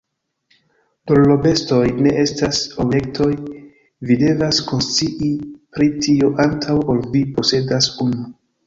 Dorlotbestoj ne estas objektoj, vi devas konscii pri tio antaŭ ol vi posedas unu.